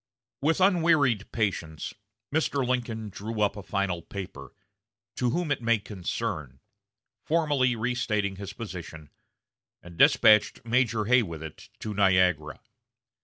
With unwearied patience, Mr. Lincoln drew up a final paper, "To Whom it may Concern," formally restating his position, and despatched Major Hay with it to Niagara.